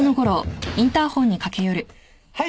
はい。